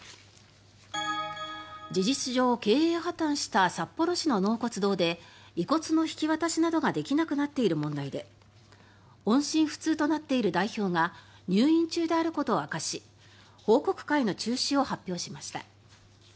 事実上、経営破たんした札幌市の納骨堂で遺骨の引き渡しなどができなくなっている問題で音信不通となっている代表が入院中であることを明かし報告会の中止を発表しました。